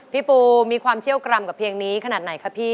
พี่ปูมีความเชี่ยวกรำกับเพลงนี้ขนาดไหนคะพี่